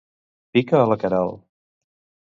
Pica a la Queralt.